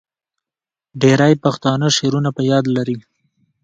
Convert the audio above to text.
ډیری پښتانه شعرونه په یاد لري.